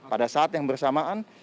pada saat yang bersamaan